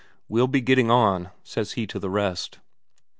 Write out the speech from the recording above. "We'll be getting on," says he to the rest.